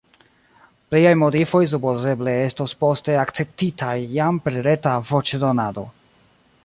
Pliaj modifoj supozeble estos poste akceptitaj jam per reta voĉdonado.